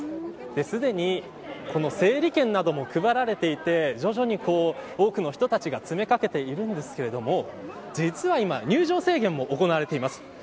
すでにこの整理券なども配られていて徐々に多くの人たちが詰めかけているんですけれども実は今入場制限も行われています。